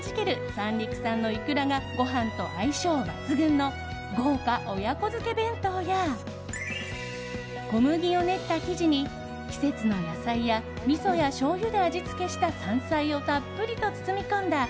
三陸産のイクラがご飯と相性抜群の豪華親子漬け弁当や小麦を練った生地に季節の野菜やみそやしょうゆで味付けした山菜をたっぷりと包み込んだ